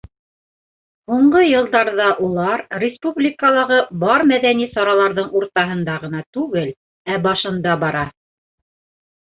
Һуңғы йылдарҙа улар республикалағы бар мәҙәни сараларҙың уртаһында ғына түгел, ә башында бара.